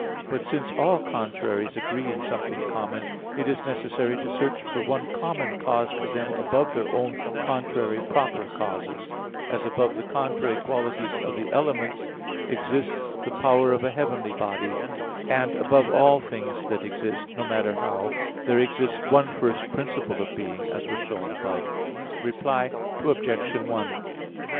But since all contraries agree in something common, it is necessary to search for one common cause for them above their own contrary proper causes; as above the contrary qualities of the elements exists the power of a heavenly body; and above all things that exist, no matter how, there exists one first principle of being, as was shown above (Q. 2, A. 3). Reply Obj.